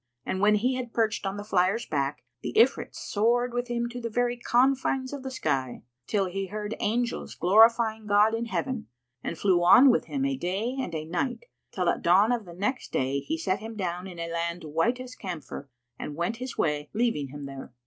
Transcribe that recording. And when he had perched on the Flyer's back the Ifrit soared with him to the very confines of the sky, till he heard the angels glorifying God in Heaven, and flew on with him a day and a night till at dawn of the next day he set him down in a land white as camphor, and went his way, leaving him there.